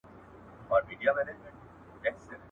بې کاري لنگېږي، خواري ترې زېږي.